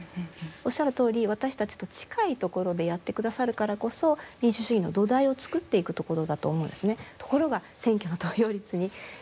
おっしゃるとおり私たちと近いところでやってくださるからこそ民主主義の土台を作っていくところだと思うんですね。